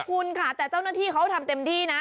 คุณค่ะแต่เจ้าหน้าที่เขาทำเต็มที่นะ